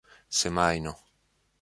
semajno